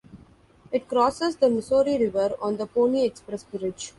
It crosses the Missouri River on the Pony Express Bridge.